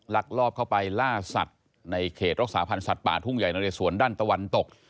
ลักลอบเข้าไปล่าสัตว์ในเขตรักษาพันธ์สัตว์ป่าทุ่งใหญ่นะเรสวนด้านตะวันตก